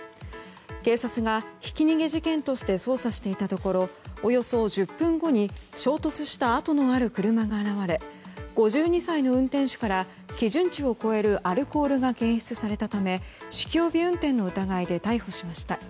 警察が、ひき逃げ事件として捜査していたところおよそ１０分後に衝突した跡のある車が現れ５２歳の運転手から基準値を超えるアルコールが検出されたため酒気帯び運転の疑いで逮捕しました。